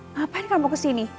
ngapain kamu kesini